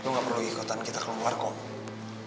lo gak perlu ikutan kita keluar kok